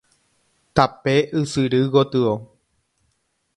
Tape ysyry gotyo.